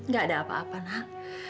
gak ada apa apa nak